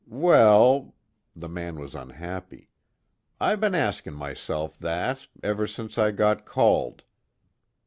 "Well ..." The man was unhappy. "I been asking myself that, ever since I got called.